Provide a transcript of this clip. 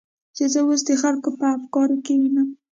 چې زه اوس د خلکو په افکارو کې وینم.